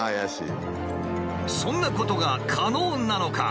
そんなことが可能なのか！？